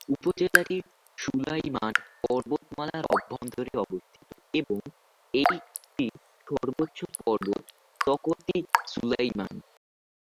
উপজেলাটি সুলাইমান পর্বতমালার অভ্যন্তরে অবস্থিত এবং এটি সর্বোচ্চ পর্বত তখত-ই-সুলাইমান।